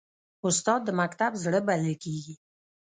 استاد د مکتب زړه بلل کېږي.